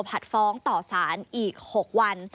ผัดฟ้องต่อสารอีก๖วัน